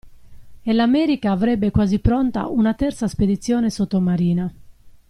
E l'America avrebbe quasi pronta una terza spedizione sottomarina.